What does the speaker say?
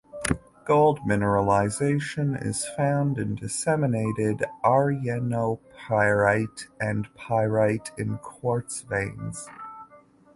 Gold mineralization is found in disseminated arsenopyrite and pyrite in quartz veins.